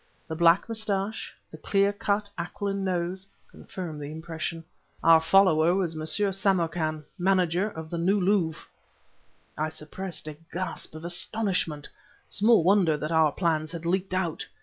The black mustache, the clear cut, aquiline nose, confirmed the impression. Our follower was M. Samarkan, manager of the New Louvre. I suppressed a gasp of astonishment. Small wonder that our plans had leaked out.